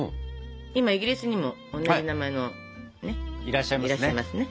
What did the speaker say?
今イギリスにも同じ名前のねっいらっしゃいますね。